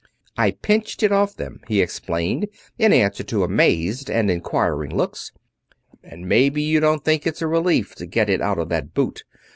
"I pinched it off them," he explained, in answer to amazed and inquiring looks, "and maybe you don't think it's a relief to get it out of that boot!